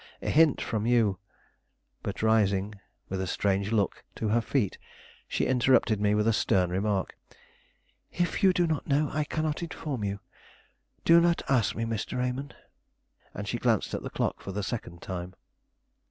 A hint from you " But rising, with a strange look, to her feet, she interrupted me with a stern remark: "If you do not know, I cannot inform you; do not ask me, Mr. Raymond." And she glanced at the clock for the second time.